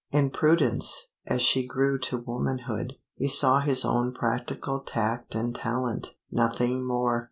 In Prudence, as she grew to womanhood, he saw his own practical tact and talent, nothing more.